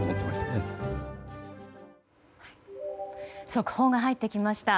速報が入ってきました。